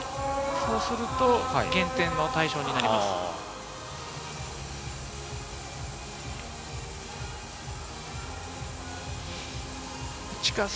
そうすると減点の対象になります。